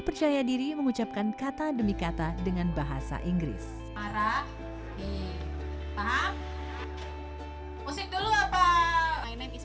percaya diri mengucapkan kata demi kata dengan bahasa inggris arah di paham musik dulu apa